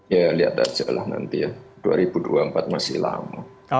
ya lihat aja lah nanti ya dua ribu dua puluh empat masih lama